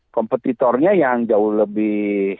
kompetitornya yang jauh lebih